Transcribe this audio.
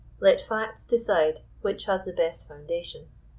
Let facts decide which has the best foundation.